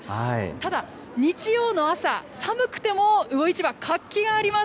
ただ、日曜の朝、寒くても、魚市場、活気があります。